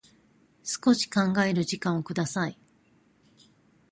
少し考える時間をください。